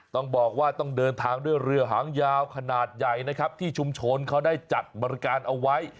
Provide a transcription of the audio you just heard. ต้องบอกว่าต้องเดินทางด้วยเรือหางยาวขนาดใหญ่นะครับที่ชุมชนเขาได้จัดบริการเอาไว้